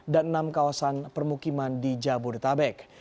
dan enam kawasan permukiman di jabodetabek